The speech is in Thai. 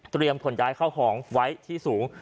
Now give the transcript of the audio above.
เตรียมผลย้ายเข้าของไว้ที่สูง